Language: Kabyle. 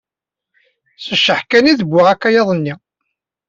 S cceḥ kan i d-wwiɣ akayad-nni.